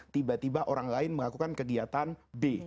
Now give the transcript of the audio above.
tiba tiba orang lain melakukan kegiatan b